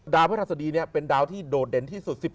พฤหัสดีนี้เป็นดาวที่โดดเด่นที่สุด